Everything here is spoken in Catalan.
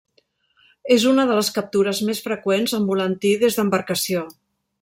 És una de les captures més freqüents amb volantí des d'embarcació.